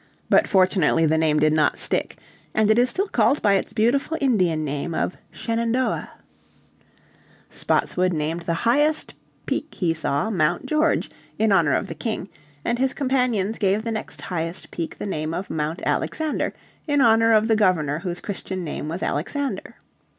But fortunately the name did not stick, and it is still called by its beautiful Indian name of Shenandoah. Spotswood named the highest peak he saw Mount George in honour of the King, and his companions gave the next highest peak the name of Mount Alexander in honour of the Governor whose Christian name was Alexander.